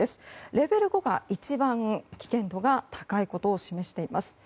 レベル５が一番危険度が高いことを示しています。